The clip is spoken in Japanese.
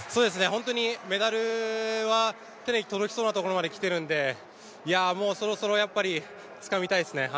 メダルは手に届きそうなところまで来ているので、もうそろそろ、つかみたいですね。